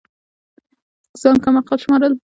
ځان كم عقل شمارل